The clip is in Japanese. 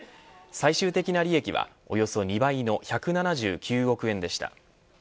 最終的な利益は、およそ２倍の１７９億円でした。